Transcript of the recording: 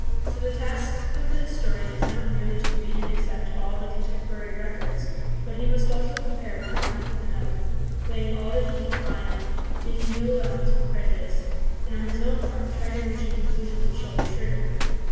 So the task of the historian is not merely to read and accept all the contemporary records, but he must also compare one account with another, weighing all that he can find, making due allowance for prejudice, and on his own part try to reach a conclusion that shall be true.